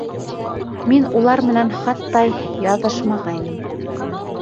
Мин улар менән хат та яҙышмағайным.